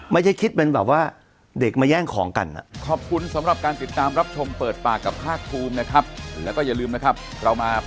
ไม่ใช่คิดเป็นแบบว่า